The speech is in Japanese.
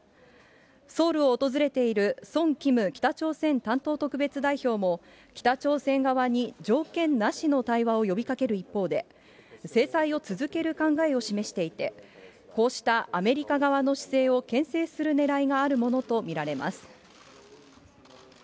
ソウルを訪れているソン・キム北朝鮮担当特別代表も、北朝鮮側に条件なしの対話を呼びかける一方で、制裁を続ける考えを示していて、こうしたアメリカ側の姿勢をけん制するねらいがあるものと見られます。